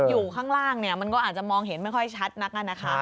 อยู่ข้างล่างมันก็อาจจะมองเห็นไม่ค่อยชัดนักนะคะ